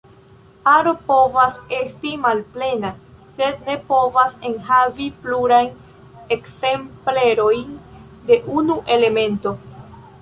Aro povas esti malplena, sed ne povas enhavi plurajn ekzemplerojn de unu elemento.